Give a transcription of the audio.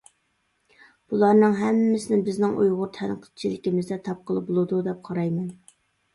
بۇلارنىڭ ھەممىسىنى بىزنىڭ ئۇيغۇر تەنقىدچىلىكىمىزدە تاپقىلى بولىدۇ دەپ قارايمەن.